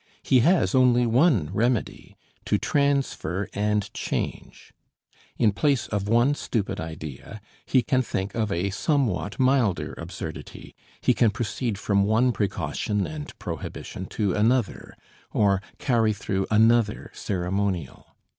He has only one remedy to transfer and change. In place of one stupid idea he can think of a somewhat milder absurdity, he can proceed from one precaution and prohibition to another, or carry through another ceremonial.